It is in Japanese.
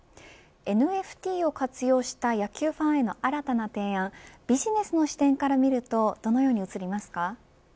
ＮＦＴを活用した野球ファンへの新たな提案ビジネスの視点から見るとどのように映りますか。